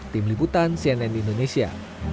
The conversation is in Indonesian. tim liputan cnn indonesia